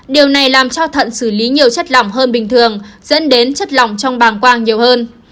điều này làm cho thận xử lý nhiều chất lỏng hơn bình thường dẫn đến chất lỏng trong bàng quang nhiều hơn